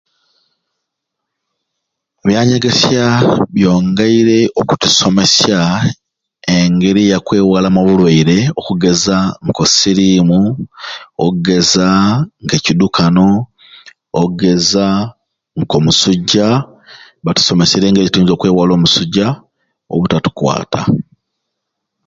Ebyanyegesya byongeire kutusomesya engeri yakwewalamu obulwaire okugeza nko sirimu ogeza nka ekiddukano ogeza nko musujja batusomeserye engeri gyetukusobola okwewala omusujja obutattkwata